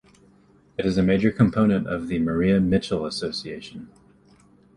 It is a major component of the Maria Mitchell Association.